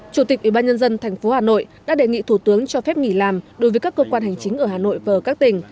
chủ tịch ubnd tp hà nội đã đề nghị thủ tướng cho phép nghỉ làm đối với các cơ quan hành chính ở hà nội và các tỉnh